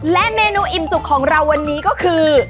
และเมนูอิ่มจุกของเราวันนี้ก็คือ